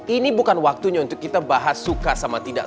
ini bukan waktunya untuk kita bahas suka sama tidak